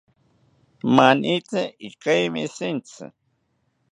Manitzi ikeimi shintzi